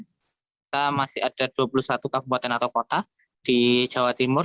kita masih ada dua puluh satu kabupaten atau kota di jawa timur